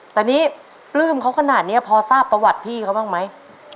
แต่นี่ปลื้มเขาขนาดนี้พอทราบประวัติพี่เขาบ้างไหม